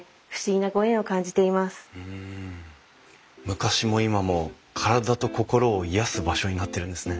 昔も今も体と心を癒やす場所になってるんですね。